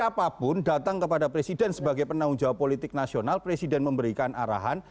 siapapun datang kepada presiden sebagai penanggung jawab politik nasional presiden memberikan arahan